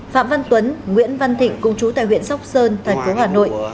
phạm văn tuấn nguyễn văn thịnh cùng chú tại huyện sóc sơn thành phố hà nội